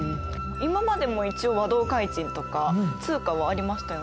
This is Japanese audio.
今までも一応和同開珎とか通貨はありましたよね。